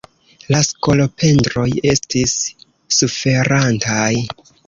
Ia skolopendroj estis suferantaj.